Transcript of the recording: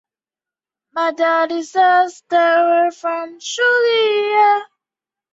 徽县是中华人民共和国甘肃省陇南市下属的一个县。